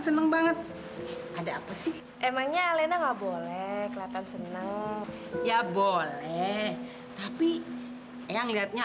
seneng banget ada apa sih emangnya lena nggak boleh kelatan seneng ya boleh tapi yang lihatnya